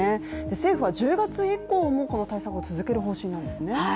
政府は１０月以降もこの対策を続ける方針なんですね。